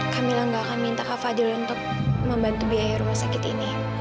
kami nggak akan minta kak fadil untuk membantu biaya rumah sakit ini